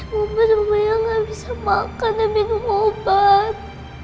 mama semuanya gak bisa makan dan minum obat